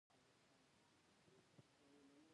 انسان باید په ټوله کې مصرف وکړي